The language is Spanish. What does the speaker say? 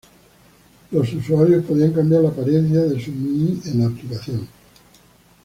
Los usuarios podían cambiar la apariencia de sus Mii en la aplicación.